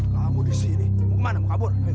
kamu di sini mau ke mana mau kabur